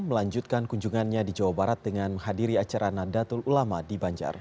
melanjutkan kunjungannya di jawa barat dengan hadiri acara nadatul ulama di banjar